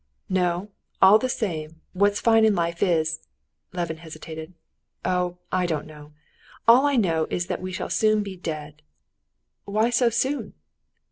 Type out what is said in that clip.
"No; all the same, what's fine in life is...." Levin hesitated—"oh, I don't know. All I know is that we shall soon be dead." "Why so soon?"